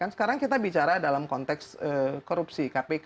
sekarang kita bicara dalam konteks korupsi kpk